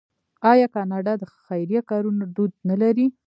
آیا کاناډا د خیریه کارونو دود نلري؟